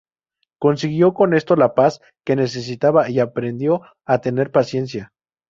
Consiguió con esto la paz que necesitaba y aprendió a tener paciencia.